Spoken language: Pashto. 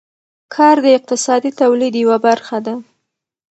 کار د اقتصادي تولید یوه برخه ده.